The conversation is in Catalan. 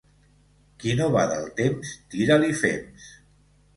Qui no va del temps, tira-li fems.